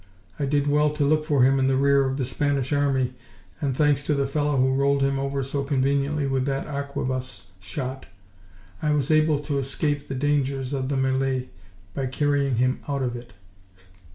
I did well to look for him in the rear of the Spanish army, and, thanks to the fellow who rolled him over so conveniently with that arquebus shot; I was able to escape the dangers of the melee by carrying him out of it."